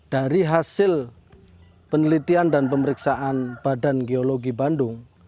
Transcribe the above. dari hasil penelitian dan pemeriksaan badan geologi bandung